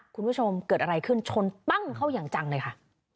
คุณผู้ชมเกิดอะไรขึ้นชนปั้งเข้าอย่างจังเลยค่ะ